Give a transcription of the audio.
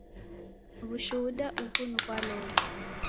W'ushuhuda ughu ni ghwa loli